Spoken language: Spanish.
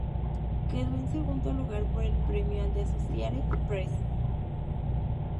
Quedó en segundo lugar por el premio al de Associated Press.